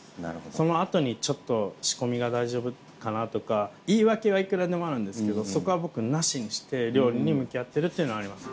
その後にちょっと仕込みが大丈夫かなとか言い訳はいくらでもあるんですけどそこは僕なしにして料理に向き合ってるっていうのはあります。